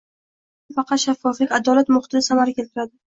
jamoaviylik faqat shaffoflik, adolat muhitida samara keltiradi.